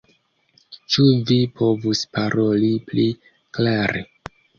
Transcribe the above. Ĉu vi povus paroli pli klare?